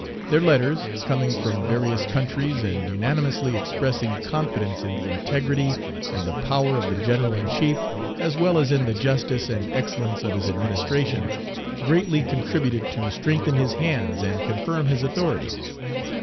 Their letters, coming from various countries, and unanimously expressing confidence in the integrity and the power of the General in chief, as well as in the justice and excellence of his administration, greatly contributed to strengthen his hands and confirm his authority.